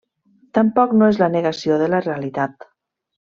Tampoc no és la negació de la realitat.